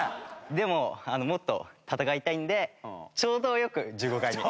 でもあのもっと戦いたいのでちょうどよく１５回に。